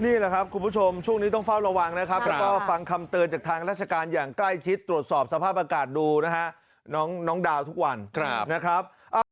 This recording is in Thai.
นี่แหละครับคุณผู้ชมช่วงนี้ต้องเฝ้าระวังนะครับแล้วก็ฟังคำเตือนจากทางราชการอย่างใกล้ชิดตรวจสอบสภาพอากาศดูนะฮะน้องดาวทุกวันนะครับ